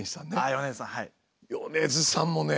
米津さんもね！